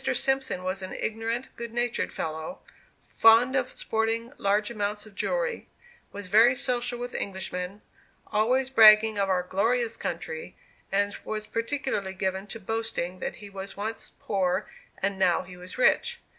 Simpson was an ignorant, good natured fellow, fond of sporting large amounts of jewelry; was very social with Englishmen; always bragging of our "glorious country"; and was particularly given to boasting that he was once poor and now he was rich.